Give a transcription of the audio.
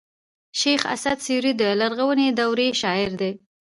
شېخ اسعد سوري د لرغوني دورې شاعر دﺉ.